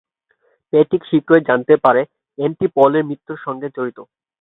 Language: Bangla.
প্যাট্রিক শীঘ্রই জানতে পারে যে, অ্যান্ডি পৌলের মৃত্যুর সঙ্গে জড়িত।